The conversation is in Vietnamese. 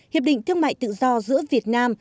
hiệp định thương mại tự do giữa việt nam